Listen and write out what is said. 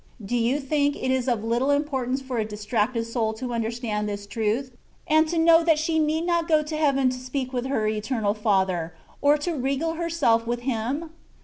Do you think it is of little importance for a distracted soul to understand this truth, and to know that she need not go to heaven to speak with her Eternal Father, or to regale herself with Him?